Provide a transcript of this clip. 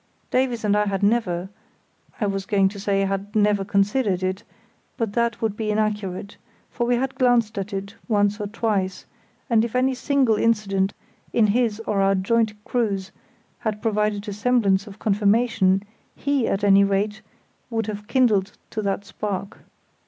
Davies and I had never—I was going to say had never considered it; but that would not be accurate, for we had glanced at it once or twice; and if any single incident in his or our joint cruise had provided a semblance of confirmation, he, at any rate, would have kindled to that spark.